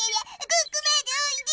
ここまでおいで！